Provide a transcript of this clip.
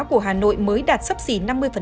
của hà nội mới đạt sấp xỉ năm mươi